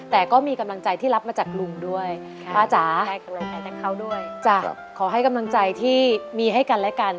แต่ก็มีกำลังใจที่รับมาจากลุงด้วยป้าจ๋าขอให้กำลังใจที่มีให้กันและกัน